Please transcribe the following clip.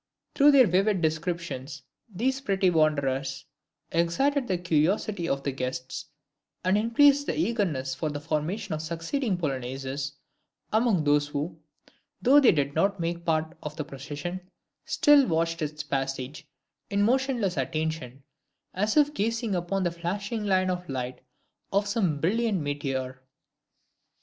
Through their vivid descriptions, these pretty wanderers excited the curiosity of the guests, and increased the eagerness for the formation of the succeeding Polonaises among those who, though they did not make part of the procession, still watched its passage in motionless attention, as if gazing upon the flashing line of light of some brilliant meteor.